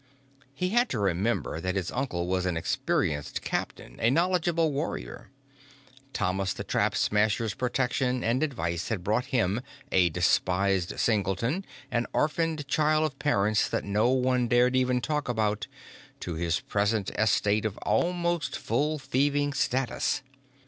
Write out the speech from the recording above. He had to remember that his uncle was an experienced captain, a knowledgeable warrior. Thomas the Trap Smasher's protection and advice had brought him, a despised singleton, an orphaned child of parents that no one dared even talk about, to his present estate of almost full thieving status.